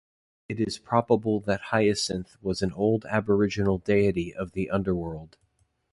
It is probable that Hyacinth was an old aboriginal deity of the underworld.